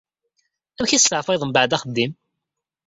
Amek i testeɛfayeḍ mbeɛd axeddim?